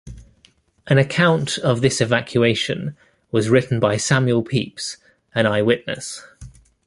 An account of this evacuation was written by Samuel Pepys, an eyewitness.